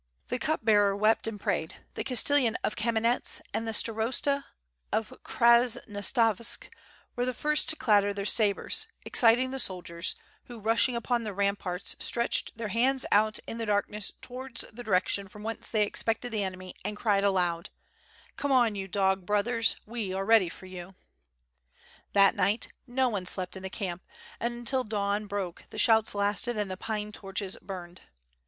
The Cup Bearer wept and prayed, the Castellan of Kamenets and the Starosta of Krasnostavsk were the first to clatter their sabres, exciting the soldiers, who, rushing upon the ramparts, stretched their hands out in the darkness towards the direction from whence they expected the enemy, and cried aloud: "Come on, you dog brothers, we are ready for you." That night no one slept in the camp; and until the dawn broke the shouts lasted and the pine torches burned.